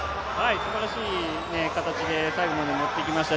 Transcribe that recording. すばらしい形で最後までもってきました。